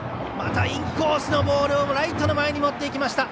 またインコースのボールをライト前に持っていった！